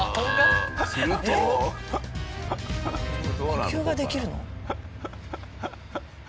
呼吸ができるの？